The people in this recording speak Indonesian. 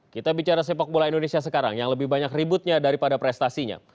kita bicara sepak bola indonesia sekarang yang lebih banyak ributnya daripada prestasinya